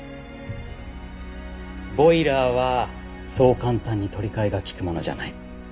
ボイラーはそう簡単に取り替えがきくものじゃない。